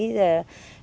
rồi đẩy ra các cái